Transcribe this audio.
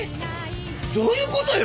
どういうことよ！？